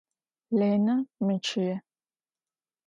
Lêne meççıê.